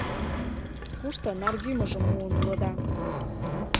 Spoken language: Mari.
— Кушто наргӱмыжым муын улыда?